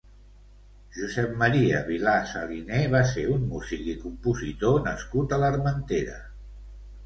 Josep Maria Vilà Saliner va ser un músic i compositor nascut a l'Armentera.